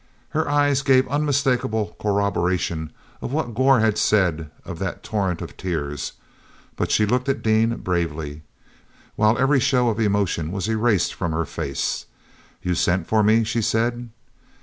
er eyes gave unmistakable corroboration of what Gor had said of that torrent of tears, but she looked at Dean bravely, while every show of emotion was erased from her face. "You sent for me," she said.